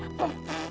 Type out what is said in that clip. maafin dewi permisi